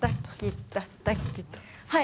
はい。